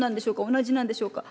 同じなんでしょうか？